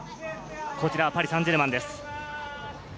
こちらパリ・サンジェルマンです。